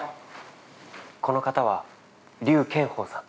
この方は劉健法さん。